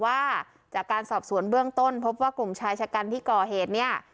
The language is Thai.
ว่าจากการสอบสวนเบื้องต้นพบว่ากลุ่มชายชะกันที่ก่อเหตุเนี่ย